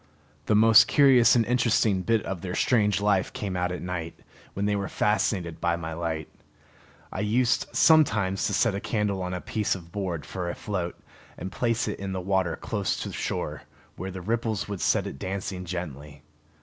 The most curious and interesting bit of their strange life came out at night, when they were fascinated by my light. I used sometimes to set a candle on a piece of board for a float, and place it in the water close to shore, where the ripples would set it dancing gently.